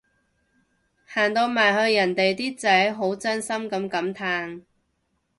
行到埋去人哋啲仔好真心噉感嘆